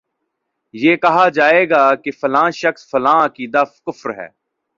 یہ کہا جائے گا کہ فلاں شخص کا فلاں عقیدہ کفر ہے